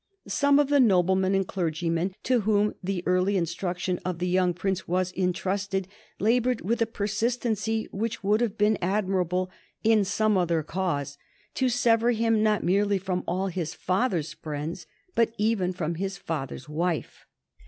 Some of the noblemen and clergymen to whom the early instruction of the young Prince was entrusted labored with a persistency which would have been admirable in some other cause to sever him not merely from all his father's friends but even from his father's wife.